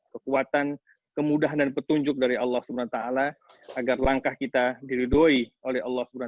kekuatan kemudahan dan petunjuk dari allah swt agar langkah kita diridoi oleh allah swt